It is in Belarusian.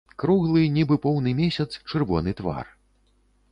Круглы, нібы поўны месяц, чырвоны твар.